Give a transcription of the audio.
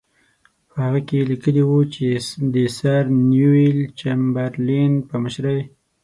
په هغه کې یې لیکلي وو چې د سر نیویل چمبرلین په مشرۍ.